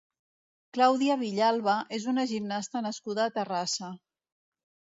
Claudia Villalba és una gimnasta nascuda a Terrassa.